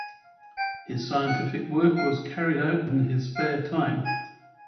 His scientific work was carried out in his spare time.